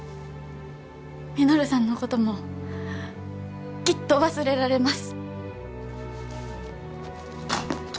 稔さんのこともきっと忘れられます。